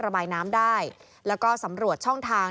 ระบายน้ำได้แล้วก็สำรวจช่องทาง